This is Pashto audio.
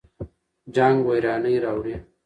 جنګ ویراني راوړي.